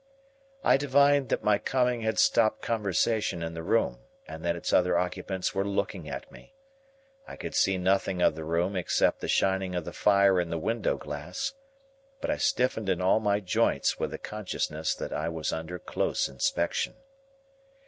I divined that my coming had stopped conversation in the room, and that its other occupants were looking at me. I could see nothing of the room except the shining of the fire in the window glass, but I stiffened in all my joints with the consciousness that I was under close inspection.